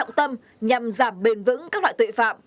nhằm giảm bền vững các loại tội phạm